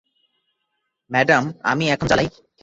Madam, আমি এখন চালাই?